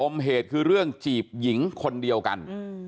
มเหตุคือเรื่องจีบหญิงคนเดียวกัน